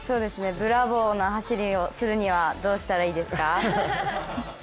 ブラボーな走りをするにはどうしたらいいですか？